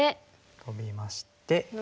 ノビまして。